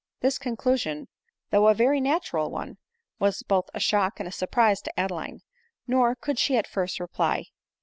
This conclusion, though a very natural one, was both a shock and a surprise to Adeline ; nor could she at first reply.